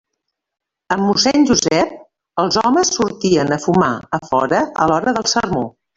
Amb mossèn Josep, els homes sortien a fumar a fora a l'hora del sermó.